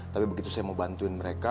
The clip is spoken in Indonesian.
tapi begitu saya mau bantu